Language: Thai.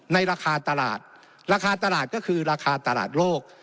ในราคาตลาดราคาตลาดก็คือราคาตลาดโลก